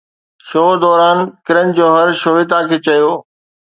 show دوران ڪرن جوهر شويتا کي چيو